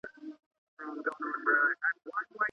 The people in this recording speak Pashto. په لاس لیکلنه د ریاضي د حسابونو لپاره هم مهم دي.